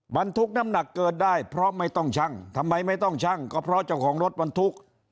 บรรทุกน้ำหนักเกินได้เพราะไม่ต้องชั่งทำไมไม่ต้องชั่งก็เพราะเจ้าของรถบรรทุก